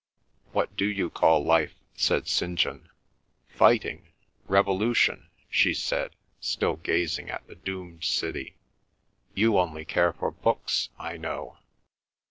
"What do you call life?" said St. John. "Fighting—revolution," she said, still gazing at the doomed city. "You only care for books, I know."